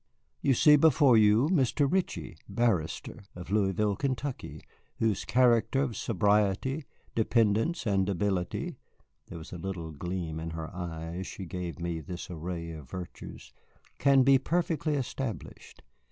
"You see before you Mr. Ritchie, barrister, of Louisville, Kentucky, whose character of sobriety, dependence, and ability" (there was a little gleam in her eye as she gave me this array of virtues) "can be perfectly established.